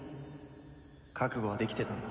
覚悟はできてたんだ。